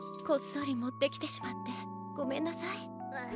こっそりもってきてしまってごめんなさい。